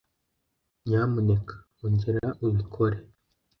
nyamuneka ongera ubikore